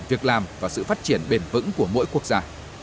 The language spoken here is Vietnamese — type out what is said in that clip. việc làm và sự phát triển bền vững của mỗi quốc gia